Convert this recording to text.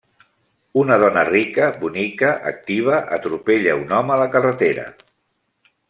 Una dona rica, bonica, activa, atropella un home a la carretera.